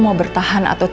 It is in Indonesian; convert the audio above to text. terber dipping ke diri saya